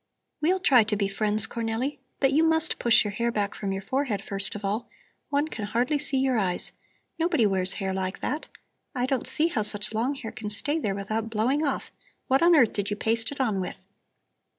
"We'll try to be friends, Cornelli! But you must push your hair back from your forehead first of all; one can hardly see your eyes. Nobody wears hair like that. I don't see how such long hair can stay there without blowing off. What on earth did you paste it on with?"